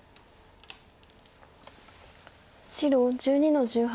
白１２の十八。